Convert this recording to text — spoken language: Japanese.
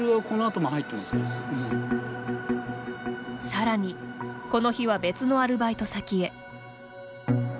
さらに、この日は別のアルバイト先へ。